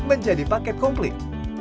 menjadi paket komplit